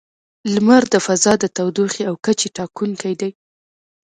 • لمر د فضا د تودوخې او کچې ټاکونکی دی.